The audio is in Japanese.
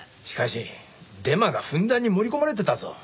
しかしデマがふんだんに盛り込まれてたぞ。